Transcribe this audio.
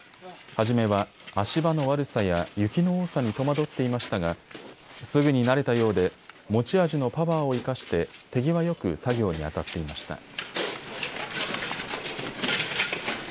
初めは足場の悪さや雪の多さに戸惑っていましたがすぐに慣れたようで持ち味のパワーを生かして手際よく作業にあたっていました。